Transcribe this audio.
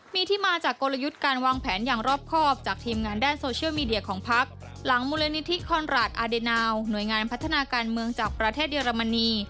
มีที่มาจากกลยุทธ์การวางแผนอย่างรอบครอบจากทีมงานด้านโซเชียลมีเดียของพักหลังมูลนิธิคอนราชอาเดนาวหน่วยงานพัฒนาการเมืองจากประเทศเยอรมนี